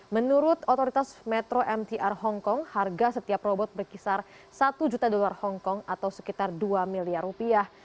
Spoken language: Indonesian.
menurut otoritas metro mtr hongkong harga setiap robot berkisar satu juta dolar hongkong atau sekitar dua miliar rupiah